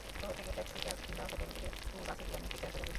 শহর থেকে ট্যাক্সিক্যাব কিংবা হোটেল থেকে টুর বাসে পিরামিড দেখে আসা যাবে।